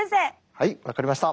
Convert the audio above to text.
はい分かりました。